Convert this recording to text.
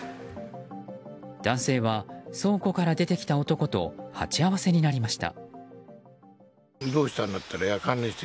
男性は、倉庫から出てきた男と鉢合わせになりました。